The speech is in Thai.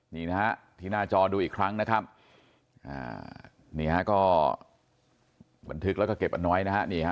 นี่นะฮะที่หน้าจอดูอีกครั้งนะครับนี่ฮะก็บันทึกแล้วก็เก็บอันน้อยนะฮะ